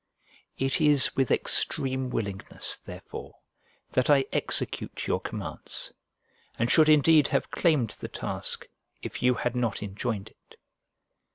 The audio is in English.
It is with extreme willingness, therefore, that I execute your commands; and should indeed have claimed the task if you had not enjoined it.